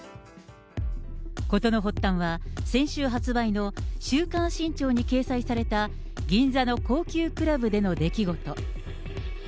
事の発端は、先週発売の週刊新潮に掲載された、銀座の高級クラブでの出来事。